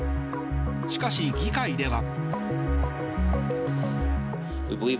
しかし、議会では。